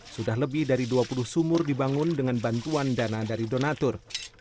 sudah lebih dari dua puluh sumur dibangun dengan bantuan dana dari donatur